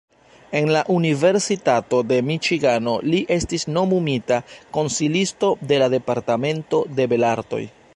En la Universitato de Miĉigano li estis nomumita konsilisto de la departamento de belartoj.